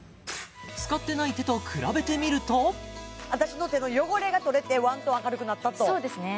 使ってない手と比べてみると私の手の汚れが取れてワントーン明るくなったとそうですね